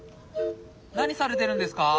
何されてるんですか？